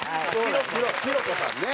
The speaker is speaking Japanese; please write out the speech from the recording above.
ヒロコさんね。